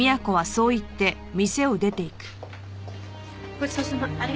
ごちそうさま。